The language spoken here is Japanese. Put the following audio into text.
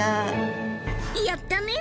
やったね！